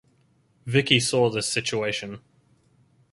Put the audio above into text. Vicky saw this situation.